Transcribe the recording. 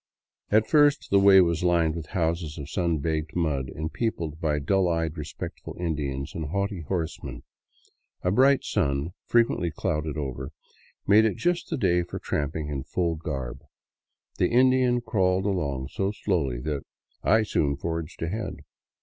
At first the way was lined with houses of sun baked mud, and peopled by dull eyed, respectful Indians and haughty horsemen. A bright sun, frequently clouded over, made it just the day for tramping in full garb. The Indian crawled along so slowly that I soon forged ahead.